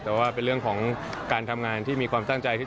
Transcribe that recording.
แต่ว่าเป็นเรื่องของการทำงานที่มีความตั้งใจที่